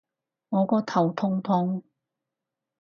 我個頭痛痛